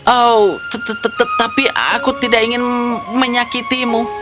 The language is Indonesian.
oh tetapi aku tidak ingin menyakitimu